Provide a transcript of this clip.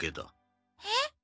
えっ？